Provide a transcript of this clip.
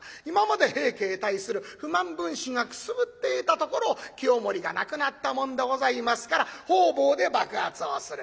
今まで平家へ対する不満分子がくすぶっていたところを清盛が亡くなったもんでございますから方々で爆発をする。